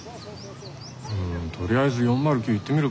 うんとりあえず４０９行ってみるか。